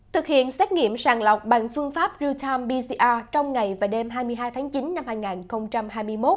thực hiện xét nghiệm sàn lọc bằng phương pháp ruetam pcr trong ngày và đêm hai mươi hai tháng chín năm hai nghìn hai mươi một